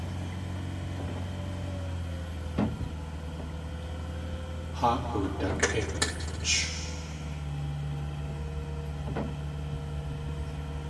Haa udak̲ʼíkʼch.